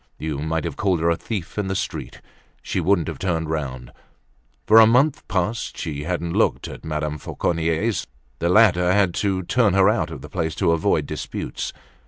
You might have called her a thief in the street, she wouldn't have turned round. For a month past she hadn't looked at Madame Fauconnier's; the latter had had to turn her out of the place to avoid disputes.